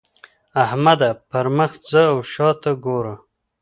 احمده! پر مخ ځه او شا ته ګوره.